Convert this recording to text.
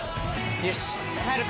よし帰るか！